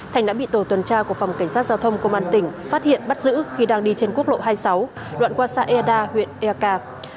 thành đã bị tổ tuần tra của phòng cảnh sát giao thông công an tỉnh phát hiện bắt giữ khi đang đi trên quốc lộ hai mươi sáu đoạn qua xa e đa huyện e ca